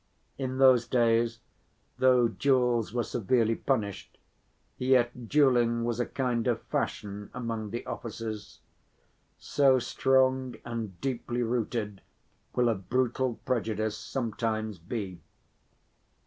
In those days though duels were severely punished, yet dueling was a kind of fashion among the officers—so strong and deeply rooted will a brutal prejudice sometimes be.